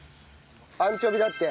アンチョビだって。